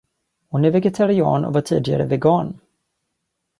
Hon är vegetarian och var tidigare vegan.